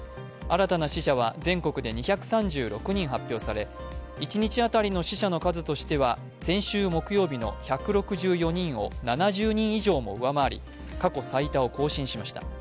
新たな死者は全国で２３６人発表され一日当たりの死者の数としては先週木曜日の１６４人を７０人以上も上回り過去最多を更新しました。